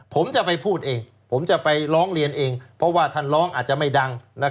ผมจะไปพูดเองผมจะไปร้องเรียนเองเพราะว่าท่านร้องอาจจะไม่ดัง